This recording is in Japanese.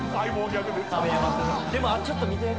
でもちょっと見て。